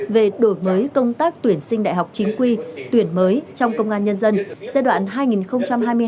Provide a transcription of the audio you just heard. về đổi mới công tác tuyển sinh đại học chính quy tuyển mới trong công an nhân dân giai đoạn hai nghìn một mươi sáu hai nghìn hai mươi năm